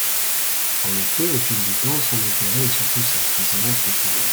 En effet, au fil du temps, son intérêt et surtout sa présence déclinèrent.